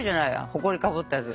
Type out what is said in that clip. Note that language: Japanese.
『ほこりかぶったやつ。